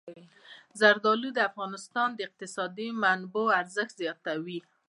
زردالو د افغانستان د اقتصادي منابعو ارزښت زیاتوي.